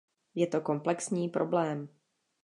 Je to komplexní problém.